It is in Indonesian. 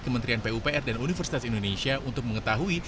kementerian pupr dan universitas indonesia untuk mengetahui